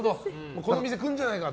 この店に来るんじゃないかって。